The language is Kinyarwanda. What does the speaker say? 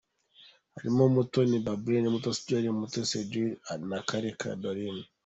Harimo Mutoni Balbine, Mutesi Joly, Mutesi Eduige na Karake Doreen.